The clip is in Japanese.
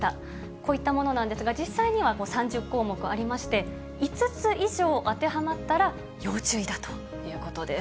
こういったものなんですが、実際には、３０項目ありまして、５つ以上当てはまったら要注意だということです。